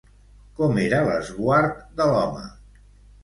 Com era l'esguard de l'home?